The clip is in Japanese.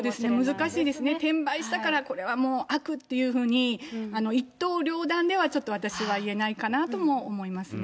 難しいですね、転売したから、これはもう、悪っていうふうに、一刀両断ではちょっと私は言えないかなとも思いますね。